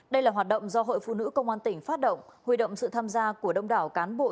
đây là hoạt động do hội phụ nữ công an tỉnh phát động huy động sự tham gia của đông đảo cán bộ